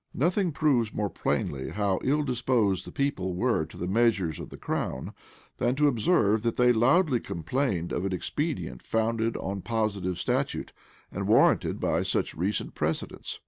[*] Nothing proves more plainly how ill disposed the people were to the measures of the crown, than to observe that they loudly complained of an expedient founded on positive statute, and warranted by such recent precedents.